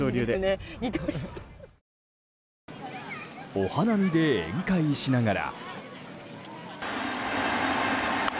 お花見で宴会しながら。